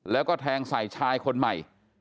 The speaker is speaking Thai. แล้วก็แทงใส่ชายคนใหม่